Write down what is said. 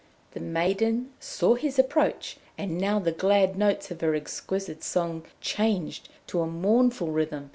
The maiden saw his approach; and now the glad notes of her exquisite song changed to a mournful rhythm.